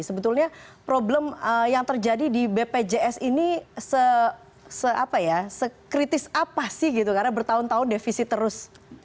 sebetulnya problem yang terjadi di bpjs ini se apa ya sekritis apa sih gitu karena bertahun tahun defisi terus